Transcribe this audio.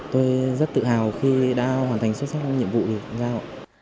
tôi rất tự hào khi đã hoàn thành xuất sắc nhiệm vụ